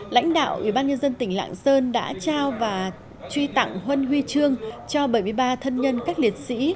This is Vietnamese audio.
lãnh đạo ủy ban nhân dân tỉnh lạng sơn đã trao và truy tặng hôn huy chương cho bảy mươi ba thân nhân các liệt sĩ